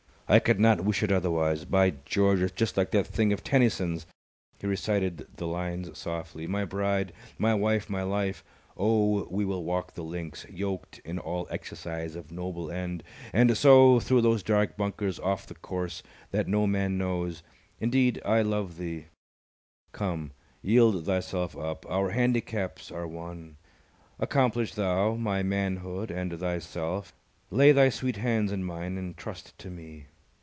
I could not wish it otherwise. By George! It's just like that thing of Tennyson's." He recited the lines softly: _My bride, My wife, my life. Oh, we will walk the links Yoked in all exercise of noble end, And so thro' those dark bunkers off the course That no man knows. Indeed, I love thee: come, Yield thyself up: our handicaps are one; Accomplish thou my manhood and thyself; Lay thy sweet hands in mine and trust to me.